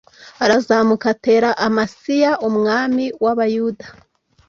arazamuka atera amasiya umwami w'abayuda